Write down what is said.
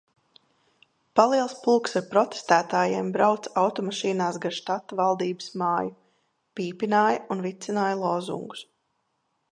Paliels pulks ar protestētājiem brauca automašīnās gar štata valdības māju, pīpināja un vicināja lozungus.